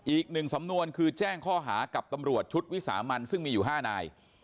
อีกหนึ่งสำนวนคือแจ้งข้อหากับตำรวจชุดวิสามันซึ่งมีอยู่๕นาย